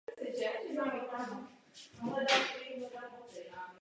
Sami se hodlali z náboženských důvodů vystěhovat do Ameriky.